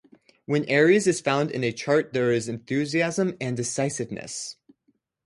When Aries is found in a chart, there is enthusiasm and decisiveness.